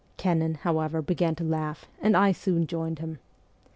Kennan, however, began to laugh, and I soon joined him.